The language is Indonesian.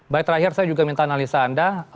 baik terakhir saya juga minta analisa anda